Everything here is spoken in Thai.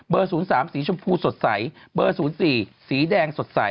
เบอร์ศูนย์สามสีชมพูสดใสเบอร์ศูนย์สี่สีแดงสดใส